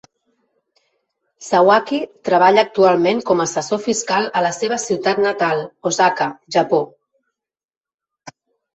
Sawaki treballa actualment com a assessor fiscal a la seva ciutat natal, Osaka, Japó.